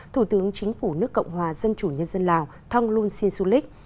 thủ tướng chính phủ nước cộng hòa dân chủ nhân dân lào thonglun sinsulik